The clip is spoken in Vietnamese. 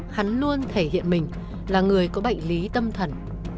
hắn luôn thể hiện mình là người có bệnh lý tâm thần